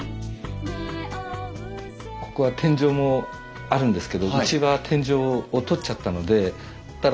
ここは天井もあるんですけどうちは天井を取っちゃったのでそ